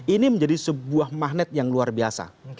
ini menjadi sebuah magnet yang luar biasa